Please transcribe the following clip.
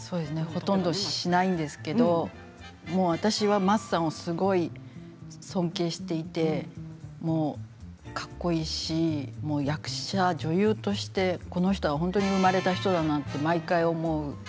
ほとんどしないんですけれど私は松さんをすごい尊敬していてすごくかっこいいし役者女優としてこの人は生まれた人だなと毎回、思う。